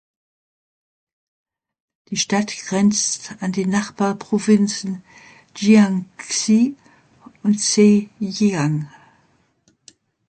Die Stadt grenzt an die Nachbarprovinzen Jiangxi und Zhejiang.